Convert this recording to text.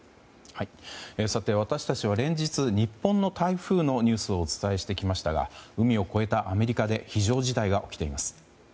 私たちは連日日本の台風のニュースをお伝えしてきましたが海を越えたアメリカで非常事態が起きています。